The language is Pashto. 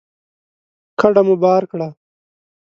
کډه مو بار کړه